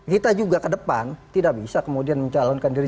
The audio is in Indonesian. kita juga ke depan tidak bisa kemudian mencalonkan diri